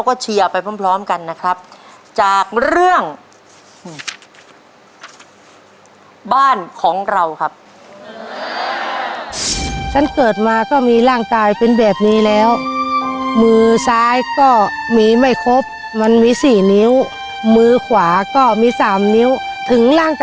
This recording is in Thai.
กี่ฟองได้ลูกประมาณ